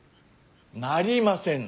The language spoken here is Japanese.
なりませぬ。